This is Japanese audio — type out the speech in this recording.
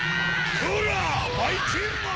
・こらばいきんまん！